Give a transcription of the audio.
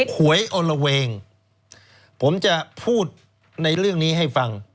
หวยอลละเวงผมจะพูดในเรื่องนี้ให้ฟัง